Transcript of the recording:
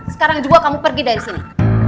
sekarang juga kamu pergi dari sini